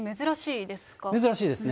珍しいですね。